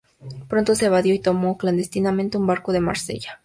Pronto se evadió y tomó, clandestinamente, un barco en Marsella.